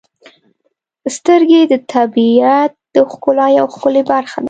• سترګې د طبیعت د ښکلا یو ښکلی برخه ده.